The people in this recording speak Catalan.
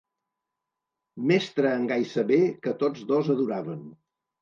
Mestre en Gai Saber que tots dos adoraven.